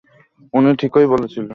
উনি ঠিকই বলেছিলেন!